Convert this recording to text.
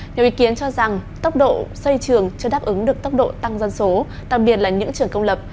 nhiều ý kiến cho rằng tốc độ xây trường chưa đáp ứng được tốc độ tăng dân số đặc biệt là những trường công lập